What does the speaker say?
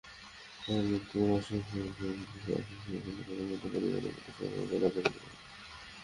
তাঁর মৃত্যুতে Bangladesh freight forwarders association মরহুমার পরিবারের প্রতি সমবেদনা জানিয়েছে।